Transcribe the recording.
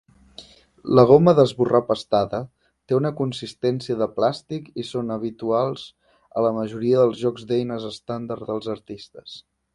La goma d'esborrar pastada té una consistència de plàstic i són habituals a la majoria dels jocs d'eines estàndard dels artistes.